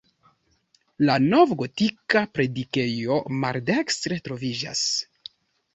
La novgotika predikejo maldekstre troviĝas.